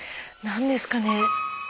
何ですかね。